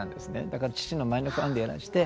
だから父の舞のファンでいらして。